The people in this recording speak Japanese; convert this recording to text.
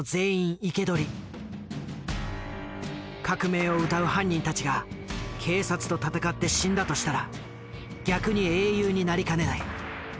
革命をうたう犯人たちが警察と戦って死んだとしたら逆に英雄になりかねない。